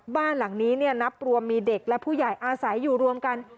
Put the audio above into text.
บ้านหลังนี้นับรวมมีเด็กและผู้ใหญ่อาศัยอยู่รวมกัน